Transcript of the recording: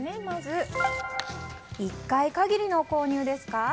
まず、１回限りの購入ですか？